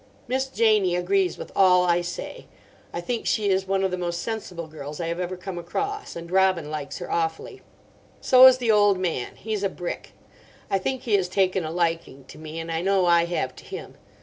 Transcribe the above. Miss Janie agrees with all I say. I think she is one of the most sensible girls I have ever come across, and Robin likes her awfully. So is the old man: he's a brick. I think he has taken a liking to me, and I know I have to him.